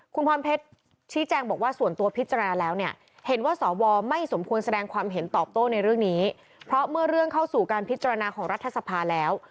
คุณพรเพชรชี้แจงบอกว่าส่วนตัวพิจารณาแล้วเนี่ยเห็นว่าสวไม่สมควรแสดงความเห็นตอบโต้ในเรื่องนี้เพราะเมื่อเรื่องเข้าสู่การพิจารณาของรัฐสภาแล้ว